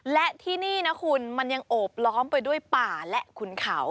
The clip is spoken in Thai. และที่นี่นะคุณมันยังโอบล้อมไปด้วยป่าและขุนเขา